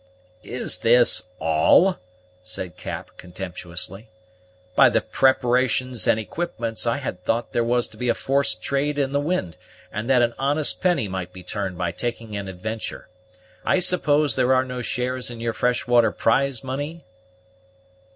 "Is this all?" said Cap contemptuously; "by the preparations and equipments, I had thought there was a forced trade in the wind, and that an honest penny might be turned by taking an adventure. I suppose there are no shares in your fresh water prize money?"